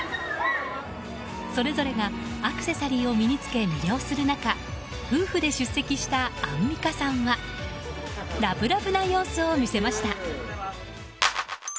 それぞれがアクセサリーを身に着け魅了する中夫婦で出席したアンミカさんはラブラブな様子を見せました。